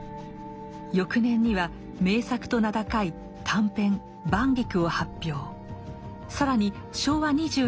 翌年には名作と名高い短編「晩菊」を発表。